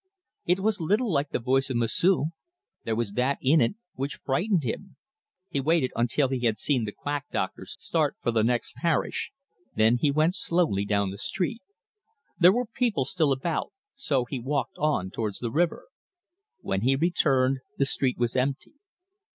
It was little like the voice of M'sieu'! There was that in it which frightened him. He waited until he had seen the quackdoctor start for the next parish, then he went slowly down the street. There were people still about, so he walked on towards the river. When he returned, the street was empty.